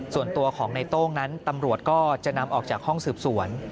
ส่วนตัวของในโต้งนั้นตำรวจก็จะนำออกจากห้องสืบสวน